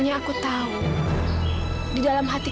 ya jangan sedih lagi